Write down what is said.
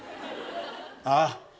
ああ！